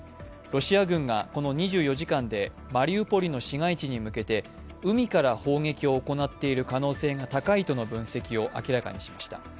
ロシア軍がこの２４時間でマリウポリの市街地に向けて海から砲撃を行っている可能性が高いとの分析を明らかにしました。